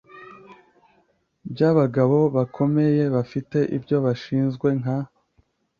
by abagabo bakomeye bafite ibyo bashinzwe nka